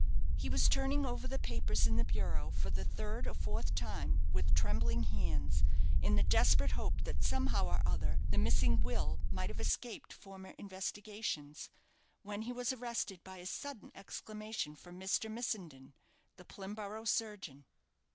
He was turning over the papers in the bureau for the third or fourth time, with trembling hands, in the desperate hope that somehow or other the missing will might have escaped former investigations, when he was arrested by a sudden exclamation from Mr. Missenden, the Plimborough surgeon.